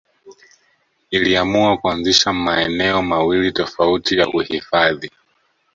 Iliamua kuanzisha maeneo mawili tofauti ya uhifadhi